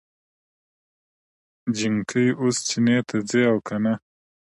جينکۍ اوس چينې ته ځي که نه؟